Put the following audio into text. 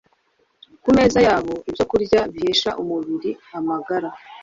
ku meza yabo ibyokurya bihesha umubiri amagara